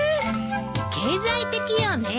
経済的よね。